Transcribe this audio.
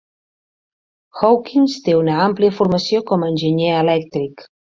Hawkins té una àmplia formació com a enginyer elèctric.